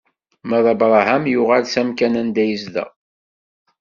Ma d Abṛaham yuɣal s amkan anda yezdeɣ.